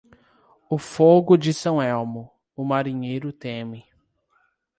O fogo de São Elmo, o marinheiro teme.